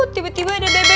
tiba tiba ada bebek lewat